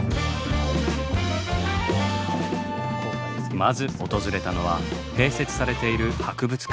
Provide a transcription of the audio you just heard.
まず訪れたのは併設されている博物館。